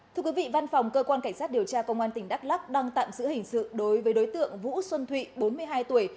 thưa quý vị văn phòng cơ quan cảnh sát điều tra công an tỉnh đắk lắc đang tạm giữ hình sự đối với đối tượng vũ xuân thụy bốn mươi hai tuổi